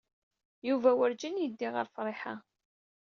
Yuba werjin yeddi ɣer Friḥa.